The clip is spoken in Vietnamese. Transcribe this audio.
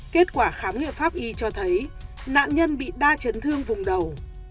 kết quả khám nghiệm pháp y cho thấy nạn nhân bị đa chấn thương vùng đầu